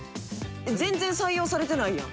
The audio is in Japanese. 全然採用されてないやん。